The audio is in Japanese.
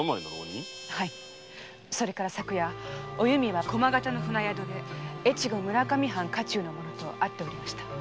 それから昨夜お弓は駒形の船宿で越後村上藩家中の者と会っておりました。